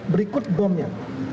dan ikut bomnya